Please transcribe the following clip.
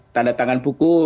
tanda tangan buku